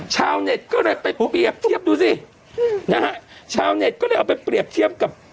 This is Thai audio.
ชาวเน็ตก็เลยไปเปรียบเทียบดูสินะฮะชาวเน็ตก็เลยเอาไปเปรียบเทียบกับ